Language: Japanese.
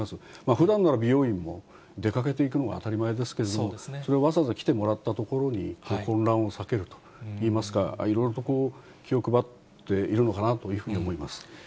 ふだんなら美容院も出かけていくのが当たり前ですけれども、それをわざわざ来てもらったところに、混乱を避けるといいますか、いろいろとこう、気を配っているのかなというふうに思います。